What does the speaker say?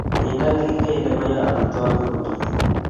Pendo ne kikelei koyaei amitwogik komieit